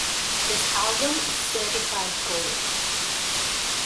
This album is certified gold.